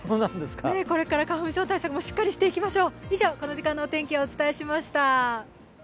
これから花粉症対策もしっかりしていきましょう。